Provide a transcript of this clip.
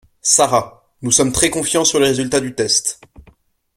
Sara, nous sommes très confiants sur les résultats du test.